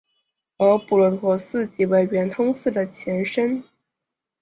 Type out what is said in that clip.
而补陀罗寺即为圆通寺的前身。